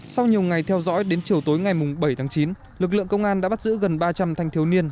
sau nhiều ngày theo dõi đến chiều tối ngày bảy tháng chín lực lượng công an đã bắt giữ gần ba trăm linh thanh thiếu niên